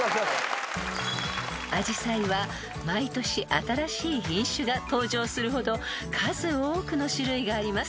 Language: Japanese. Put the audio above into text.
［アジサイは毎年新しい品種が登場するほど数多くの種類があります］